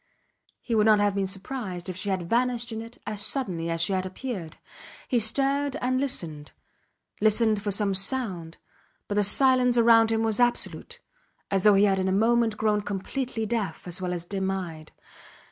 He would not have been surprised if she had vanished in it as suddenly as she had appeared. He stared and listened; listened for some sound, but the silence round him was absolute as though he had in a moment grown completely deaf as well as dim eyed.